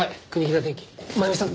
真弓さん